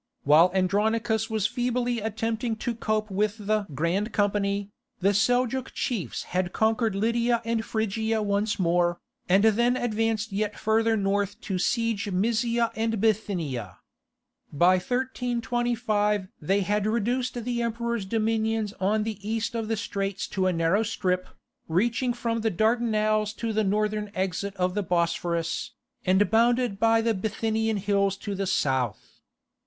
While Andronicus was feebly attempting to cope with the "Grand Company," the Seljouk chiefs had conquered Lydia and Phrygia once more, and then advanced yet further north to siege Mysia and Bithynia. By 1325 they had reduced the Emperor's dominions on the east of the straits to a narrow strip, reaching from the Dardanelles to the northern exit of the Bosphorus, and bounded by the Bithynian hills to the south.